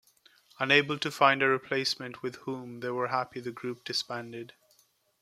Unable to find a replacement with whom they were happy the group disbanded.